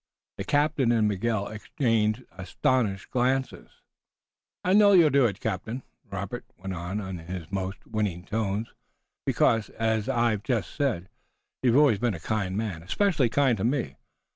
The captain and Miguel exchanged astonished glances. "I know you'll do it, captain," Robert went on in his most winning tones, "because, as I've just said, you've always been a kind man, especially kind to me.